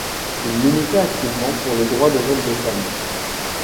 Il milita activement pour le droit de vote des femmes.